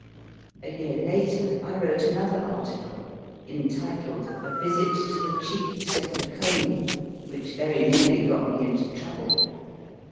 A year later I wrote another article, entitled A Visit to the Chief Secocoeni, which very nearly got me into trouble.